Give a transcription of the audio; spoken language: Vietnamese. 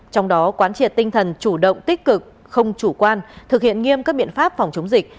trong đó quán triệt tinh thần chủ động tích cực không chủ quan thực hiện nghiêm các biện pháp phòng chống dịch